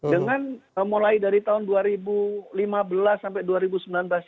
dengan mulai dari tahun dua ribu lima belas sampai dua ribu sembilan belas